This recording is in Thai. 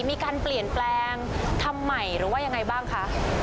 มีการเปลี่ยนแปลงทำใหม่หรือว่ายังไงบ้างคะ